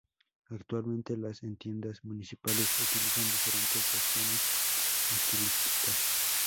Actualmente, las entidades municipales utilizan diferentes versiones estilísticas.